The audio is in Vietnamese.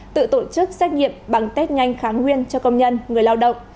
tự tổ chức xét nghiệm bằng test nhanh kháng nguyên cho công nhân người lao động